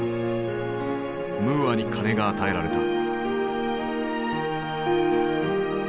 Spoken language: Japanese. ムーアに金が与えられた。